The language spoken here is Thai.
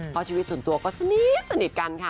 พ่อชีวิตส่วนตัวก็ชนิดสนิทกันค่ะ